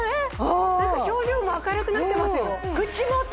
なんか表情も明るくなってますよ口元！